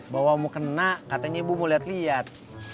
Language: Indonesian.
bawa mukena katanya ibu mau liat liat